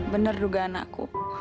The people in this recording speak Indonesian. bener rugaan aku